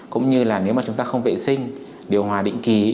cũng như là nếu mà chúng ta không vệ sinh điều hòa định ký